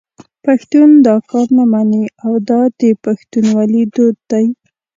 پښتون دا کار نه مني او دا د پښتونولي دود دی.